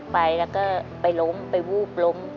ไปแล้วก็ไปล้มไปวูบล้ม